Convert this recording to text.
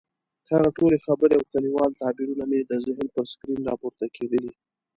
هغه ټولې خبرې او کلیوال تعبیرونه مې د ذهن پر سکرین راپورته کېدلې.